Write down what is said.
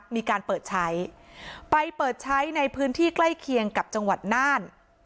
มีการเปิดใช้ไปเปิดใช้ในพื้นที่ใกล้เคียงกับจังหวัดน่าน